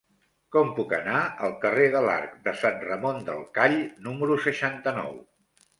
Com puc anar al carrer de l'Arc de Sant Ramon del Call número seixanta-nou?